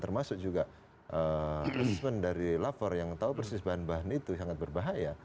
termasuk juga treatment dari lafor yang tahu persis bahan bahan itu sangat berbahaya